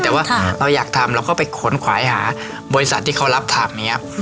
แต่ว่าเราอยากทำเราก็ไปขนขวายหาบริษัทที่เขารับถาบนี้